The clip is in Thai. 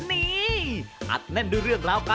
สวัสดีครับ